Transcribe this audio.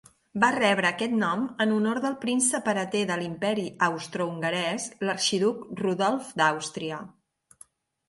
Va rebre aquest nom en honor del príncep hereter de l'Imperi austrohongarès, l'arxiduc Rodolf d'Àustria.